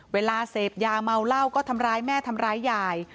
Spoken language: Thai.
เวลาเสพยาเมาเหล้าก็ทำร้ายแม่ทำร้ายยาย